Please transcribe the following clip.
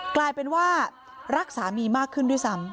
กลายเป็นว่ารักสามีมากขึ้นด้วยซ้ำ